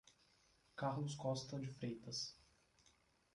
Carlos Costa de Freitas